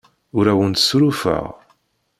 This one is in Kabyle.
Ur awent-ssurufeɣ.